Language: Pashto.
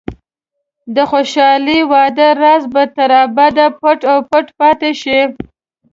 د خوشحاله واده راز به تر ابده پټ او پټ پاتې شي.